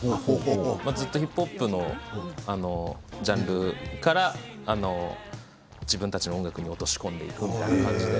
ずっとヒップホップのジャンルから自分たちの音楽に落とし込んでいくという感じです。